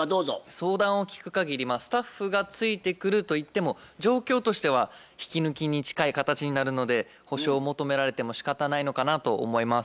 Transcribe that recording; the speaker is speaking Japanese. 相談を聞くかぎりスタッフがついてくるといっても状況としては引き抜きに近い形になるので補償を求められてもしかたないのかなと思います。